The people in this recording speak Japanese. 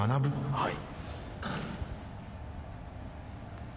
はい。